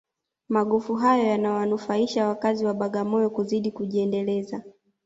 magofu hayo yanawanufaisha wakazi wa bagamoyo kuzidi kujiendeleza